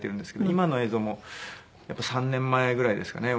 今の映像も３年前ぐらいですかね